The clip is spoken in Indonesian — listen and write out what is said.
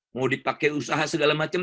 mau dipakai usaha segala macam